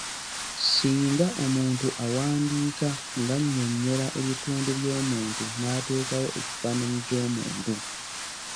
Singa omuntu awandiika ng’annyonnyola ebitundu by’omuntu n’ateekawo ekifaananyi ky’omuntu.